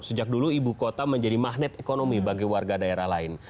sejak dulu ibu kota menjadi magnet ekonomi bagi warga daerah lain